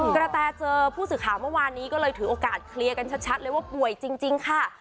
กระแตเจอผู้สื่อข่าวเมื่อวานนี้ก็เลยถือโอกาสเคลียร์กันชัดเลยว่าป่วยจริงค่ะ